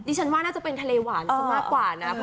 ฉันว่าน่าจะเป็นทะเลหวานซะมากกว่านะ